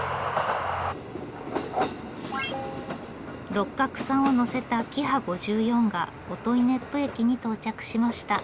六角さんを乗せたキハ５４が音威子府駅に到着しました。